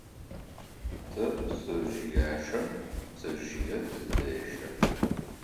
Тэ пцэжъыяшэм пцэжъые тыдешэ.